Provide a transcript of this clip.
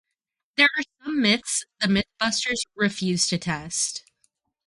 There are some myths the MythBusters refuse to test.